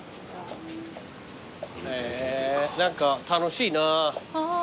へえ何か楽しいな。